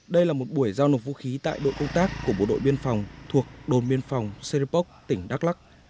đây là một buổi giao nộp vũ khí tại đội công tác của bộ đội biên phòng thuộc đồn biên phòng seripok tỉnh đắk lắc